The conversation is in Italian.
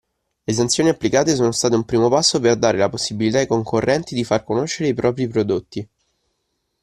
Le sanzioni applicate sono state un primo passo per dare la possibilità ai concorrenti di far conoscere i propri prodotti.